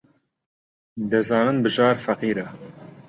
دەزانم بژار فەقیرە.